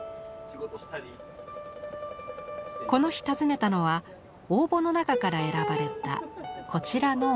この日訪ねたのは応募の中から選ばれたこちらのお宅。